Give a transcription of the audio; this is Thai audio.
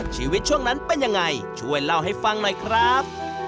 ช่วงนั้นเป็นยังไงช่วยเล่าให้ฟังหน่อยครับ